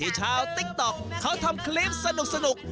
ชาวติ๊กต๊อกเขาทำคลิปสนุก